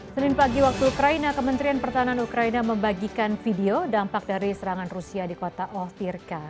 senin pagi waktu ukraina kementerian pertahanan ukraina membagikan video dampak dari serangan rusia di kota ohthirka